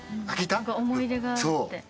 思い出があるって。